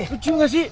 kucu gak sih